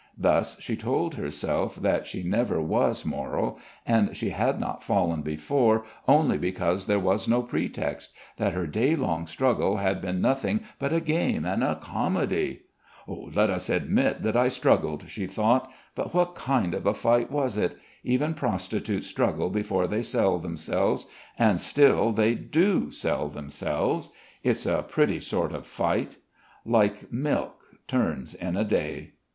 Thus she told herself that she never was moral, and she had not fallen before only because there was no pretext, that her day long struggle had been nothing but a game and a comedy.... "Let us admit that I struggled," she thought, "but what kind of a fight was it? Even prostitutes struggle before they sell themselves, and still they do sell themselves. It's a pretty sort of fight. Like milk, turns in a day."